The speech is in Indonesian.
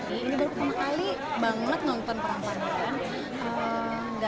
ini baru pertama kali banget nonton perang pandan